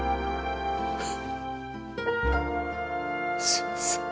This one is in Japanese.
すいません